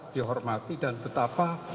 dihormati dan betapa